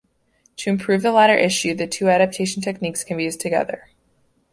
To improve the latter issue, the two adaptation techniques can be used together.